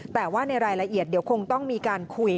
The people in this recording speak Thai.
แต่ว่าในรายละเอียดเดี๋ยวคงต้องมีการคุย